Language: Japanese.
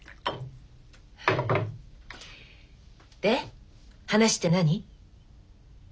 で話って何？